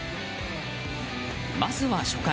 まずは初回。